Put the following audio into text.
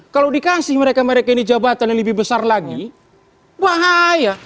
kalau dikasih mereka mereka ini jabatan yang lebih besar lagi bahaya